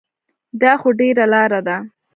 دا خو ډېره لاره ده.